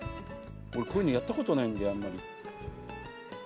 俺こういうのやったことないんだよあんまり。